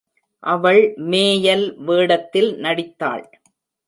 அவள் மேயல் வேடத்தில் நடித்தாள்.